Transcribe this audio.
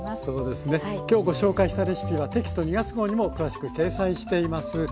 そうですね今日ご紹介したレシピはテキスト２月号にも詳しく掲載しています。